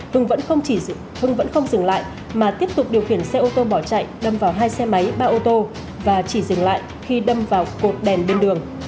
hưng vẫn không vẫn không dừng lại mà tiếp tục điều khiển xe ô tô bỏ chạy đâm vào hai xe máy ba ô tô và chỉ dừng lại khi đâm vào cột đèn bên đường